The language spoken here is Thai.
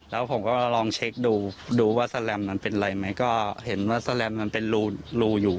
แล้วผมก็ลองเช็คดูดูว่าแลมมันเป็นอะไรไหมก็เห็นว่าแลมมันเป็นรูอยู่